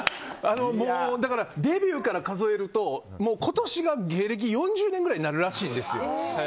だからデビューから数えると今年が芸歴４０年ぐらいになるらしいんですよ。